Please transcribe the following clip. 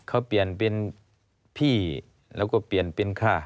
เขาเปลี่ยนเป็นพี่แล้วก็เปลี่ยนเป็นค่า